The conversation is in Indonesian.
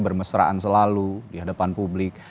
bermesraan selalu di hadapan publik